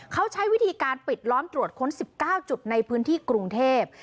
เขาใช้วิธีการปิดล้อมตรวจค้น๑๙จุดในพื้นที่กรุงเทพ